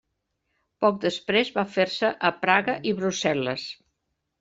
Poc després va fer-se a Praga i Brussel·les.